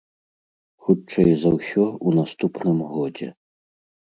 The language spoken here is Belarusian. Хутчэй за ўсё, у наступным годзе.